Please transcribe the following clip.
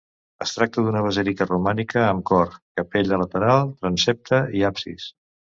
Es tracta d'una basílica romànica amb cor, capella lateral, transsepte i absis.